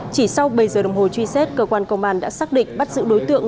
chỉ sau bảy giờ đồng hồ truy xét cơ quan công an đã xác định bắt giữ đối tượng